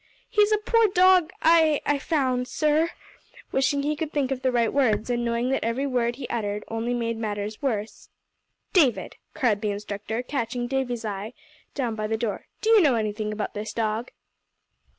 "He's a poor dog I I found, sir," wishing he could think of the right words, and knowing that every word he uttered only made matters worse. "David," cried the instructor, catching Davie's eye, down by the door, "do you know anything about this dog?"